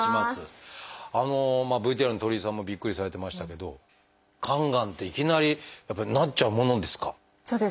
ＶＴＲの鳥居さんもびっくりされてましたけど肝がんっていきなりやっぱりなっちゃうものですか？